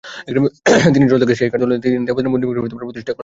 তিনি জল থেকে সেই কাঠ তুলে তিন দেবতার মূর্তি বানিয়ে মন্দির প্রতিষ্ঠা করলেন।